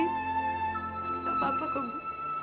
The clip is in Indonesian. ini gak apa apa bu